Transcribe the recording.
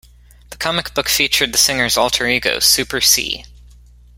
The comic book featured the singer's alter ego, "Super C".